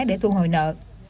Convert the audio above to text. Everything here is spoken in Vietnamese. để thu hồi nợ